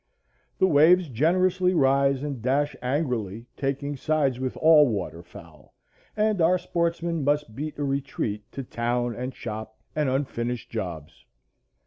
The waves generously rise and dash angrily, taking sides with all water fowl, and our sportsmen must beat a retreat to town and shop and unfinished jobs.